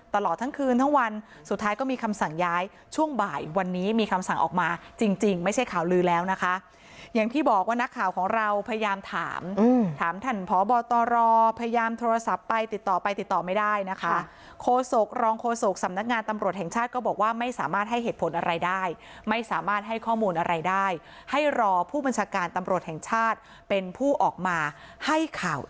ตลอดทั้งคืนทั้งวันสุดท้ายก็มีคำสั่งย้ายช่วงบ่ายวันนี้มีคำสั่งออกมาจริงจริงไม่ใช่ข่าวลือแล้วนะคะอย่างที่บอกว่านักข่าวของเราพยายามถามถามท่านพบตรพยายามโทรศัพท์ไปติดต่อไปติดต่อไม่ได้นะคะโคศกรองโฆษกสำนักงานตำรวจแห่งชาติก็บอกว่าไม่สามารถให้เหตุผลอะไรได้ไม่สามารถให้ข้อมูลอะไรได้ให้รอผู้บัญชาการตำรวจแห่งชาติเป็นผู้ออกมาให้ข่าว